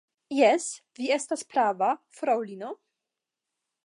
Jes, vi estas prava, fraŭlino.